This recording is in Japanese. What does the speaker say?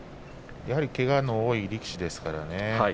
けがの多い力士ですからね。